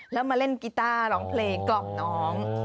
แล้วมาเล่นกีต้าร้องเพลงกล่อมน้อง